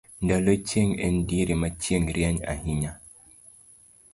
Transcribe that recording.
ndalo chieng' en diere na chieng' rieny ahinya